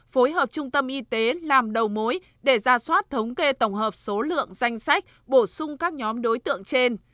phối hợp trung tâm y tế làm đầu mối để ra soát thống kê tổng hợp số lượng danh sách bổ sung các nhóm đối tượng trên